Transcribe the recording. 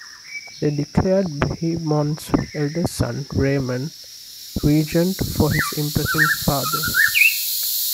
They declared Bohemond's eldest son, Raymond, regent for his imprisoned father.